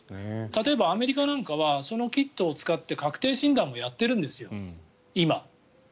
例えばアメリカなんかはそのキットを使って確定診断もやっているんですよ、今。